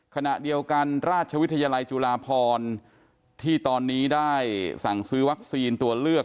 ขณะเดียวกันราชวิทยาลัยจุฬาพรที่ตอนนี้ได้สั่งซื้อวัคซีนตัวเลือก